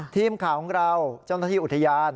ทีมข่าวของเราเจ้าหน้าที่อุทยาน